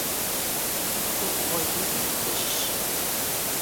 Губгъуэ иныр хужьщ.